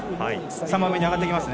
３番目に上がってきますね。